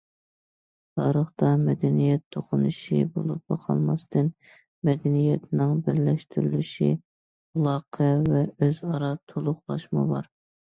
تارىختا مەدەنىيەت توقۇنۇشى بولۇپلا قالماستىن، مەدەنىيەتنىڭ بىرلەشتۈرۈلۈشى، ئالاقە ۋە ئۆز ئارا تولۇقلاشمۇ بار.